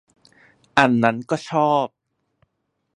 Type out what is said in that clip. อันนั้นก็ชอบ